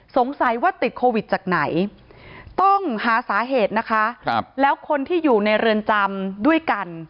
สงสัยว่าติดโควิดจากไหนต้องหาสาเหตุนะคะแล้วคนที่อยู่ในเรือนจำด้วยกัน